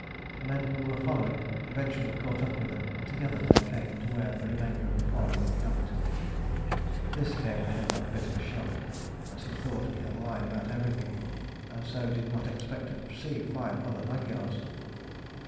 The men who were following eventually caught up with them and together they came to where the remainder of the party were camped. This gave the headman a bit of a shock, as he thought we had lied about everything, and so did not expect to see five other Magyars.